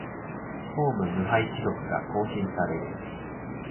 ホーム無敗記録が更新される